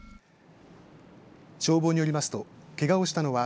消防によりますとけがをしたのは